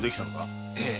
ええ。